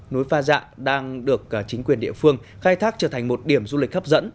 núi pha dạ đang được chính quyền địa phương khai thác trở thành một điểm du lịch hấp dẫn